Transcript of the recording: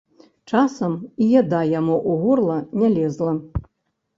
Часам і яда яму ў горла не лезла.